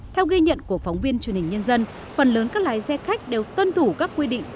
theo ghi nhận của phóng viên truyền hình nhân dân phần lớn các lái xe khách đều tuân thủ các quy định